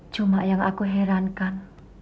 cuma yang aku herankan